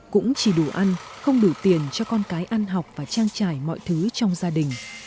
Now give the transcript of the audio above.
cũng chỉ đủ ăn không đủ tiền cho con cái ăn học và trang trải mọi thứ trong gia đình